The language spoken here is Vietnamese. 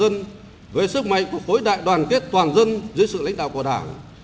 toàn dân về sức mạnh của khối đại đoàn kết toàn dân dưới sự lãnh đạo của đảng